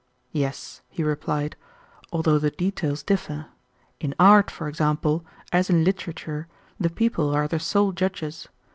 "Yes," he replied, "although the details differ. In art, for example, as in literature, the people are the sole judges.